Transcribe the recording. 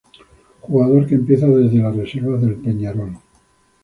Jugador que empieza desde las reservas del Peñarol.